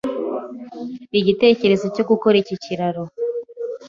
Igitekerezo cyo gukora iki kiraro